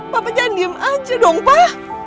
papa jangan diem aja dong pak